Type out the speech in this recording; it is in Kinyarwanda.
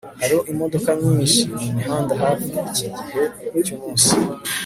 hariho imodoka nyinshi mumihanda hafi yiki gihe cyumunsi